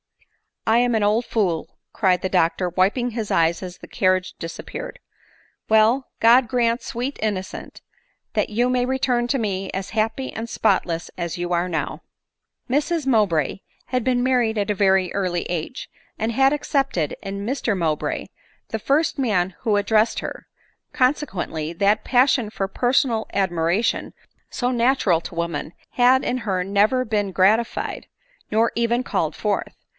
" I am an old fool," cried the doctor, wiping his eyes as the carriage disappeared. " Well ; God grant, sweet in nocent, that you may return to me as happy and spotless I as you now are i n i Mrs Mowbray had been married at a very early age, and had accepted in Mr Mowbray the first man who ad dressed her ; consequently, that passion for personal ad miration, so natural to women, had in her never been gratified, nor even called forth.